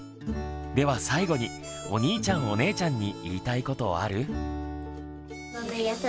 では最後にお兄ちゃんお姉ちゃんに言いたいことある？